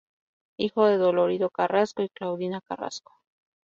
Hijo de Dolorido Carrasco y Claudina Carrasco.